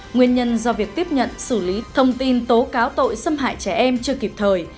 nguyên nhân do việc tiếp nhận xử lý thông tin tố cáo tội xâm hại trẻ em chưa kịp thời